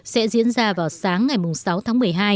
sẽ diễn ra vào sáng ngày sáu tháng một mươi hai